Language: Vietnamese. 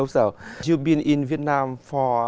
vì người việt rất tốt